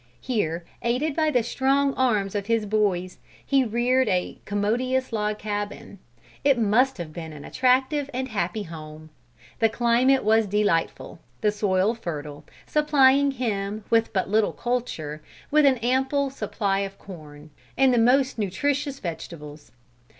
Here, aided by the strong arms of his boys, he reared a commodious log cabin. It must have been an attractive and a happy home. The climate was delightful, the soil fertile, supplying him, with but little culture, with an ample supply of corn, and the most nutritious vegetables.